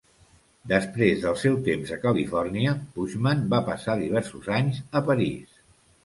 Després del seu temps a Califòrnia Pushman va passar diversos anys a París.